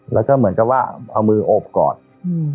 แล้วก็เหมือนกับว่าเอามือโอบกอด